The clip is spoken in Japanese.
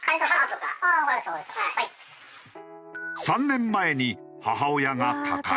３年前に母親が他界。